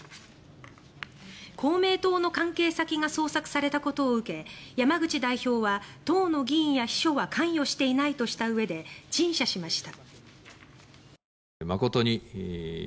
公明党の関係先が捜索されたことを受け山口代表は党の議員や秘書は関与していないとしたうえで陳謝しました。